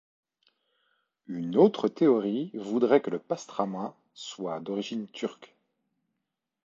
Une autre théorie voudrait que le pastrama soit d'origine turque.